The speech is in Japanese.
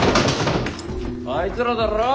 あいつらだろ？